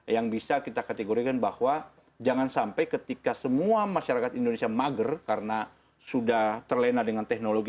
yang bisa kita kategorikan bahwa jangan sampai ketika semua masyarakat indonesia mager karena sudah terlena dengan teknologi